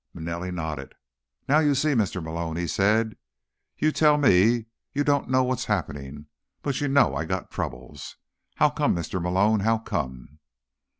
Manelli nodded. "Now, you see, Mr. Malone?" he said. "You tell me you don't know what's happening, but you know I got troubles. How come, Mr. Malone? How come?"